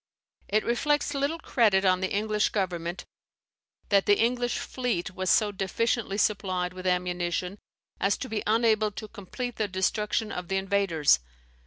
It reflects little credit on the English Government that the English fleet was so deficiently supplied with ammunition, as to be unable to complete the destruction of the invaders.